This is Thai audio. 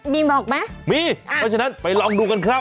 มีบอกมั้ยมีด้วยฉะนั้นไปลองดูกันครับ